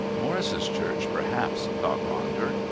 "Morris's church, perhaps," thought Ronder.